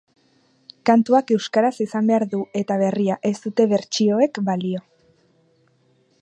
Kantuak euskaraz izan behar du eta berria, ez dute bertsioek balio.